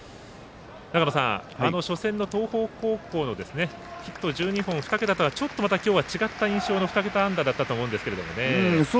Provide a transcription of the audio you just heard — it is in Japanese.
長野さん、初戦の東邦高校のヒット１２本、２桁とはちょっと、また今日は違った印象の２桁安打だと思うんですけれどもね。